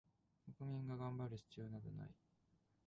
国民が頑張る必要などない